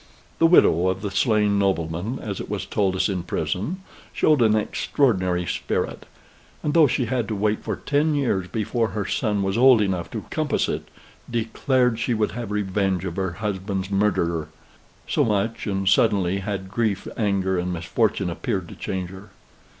The widow of the slain nobleman, as it was told us in prison, showed an extraordinary spirit; and, though she had to wait for ten years before her son was old enough to compass it, declared she would have revenge of her husband's murderer. So much and suddenly had grief, anger, and misfortune appeared to change her.